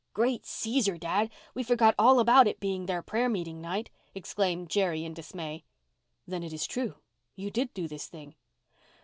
"Great Caesar, Dad, we forgot all about it being their prayer meeting night," exclaimed Jerry in dismay. "Then it is true—you did do this thing?"